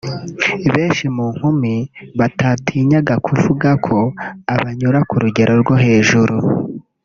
benshi mu nkumi batanatinyaga kuvuga ko abanyura ku rugero rwo hejuru